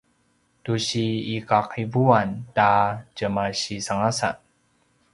tu si iqaqivuan ta tjemaisangasan